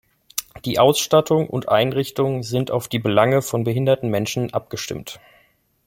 Die Ausstattung und Einrichtung sind auf die Belange von behinderten Menschen abgestimmt.